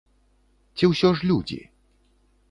Ці ўсё ж людзі?